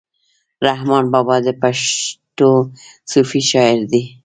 رحمان بابا د پښتو صوفي شاعر دی.